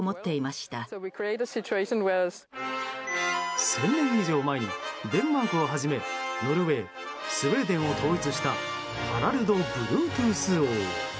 １０００年以上前にデンマークをはじめノルウェー、スウェーデンを統一したハラルド・ブルートゥース王。